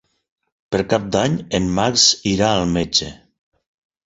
Per Cap d'Any en Max irà al metge.